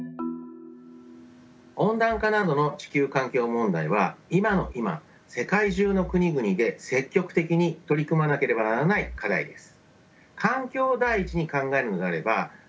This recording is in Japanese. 温暖化などの地球環境問題は今の今世界中の国々で積極的に取り組まなければならない課題です。